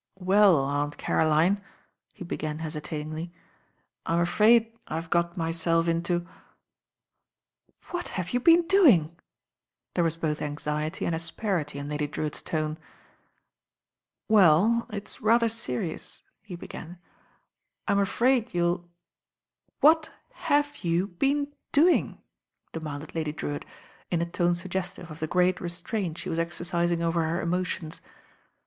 "Well, Aunt Caroline," he began hesitatingly, "I'm afraid I've got myself into " "What have you been doing?" There was both anxiety and asperity in Lady Drewitt's tone. "Well, it's rather serious," he began; "I'm afraid you'll " "What — ^have — ^you — ^been — doing?" demanded LADY DREWITTS ALARM S89 Ltdy Drewltt, in a tone suggestive of the great restraint she was exercising over her emotions.